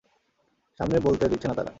সামনে বলতে দিচ্ছে না তারা।